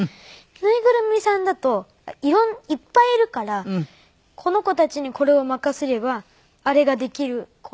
縫いぐるみさんだといっぱいいるからこの子たちにこれを任せればあれができる。